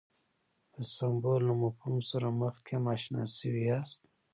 د سمبول له مفهوم سره مخکې هم اشنا شوي یاست.